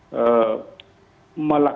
melakukan proses pembentangan